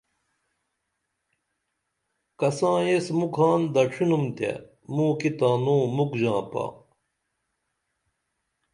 کساں ایس مُکھان دڇھینُم تے موں کی تانوں مُکھ ژاں پا